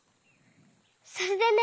それでね。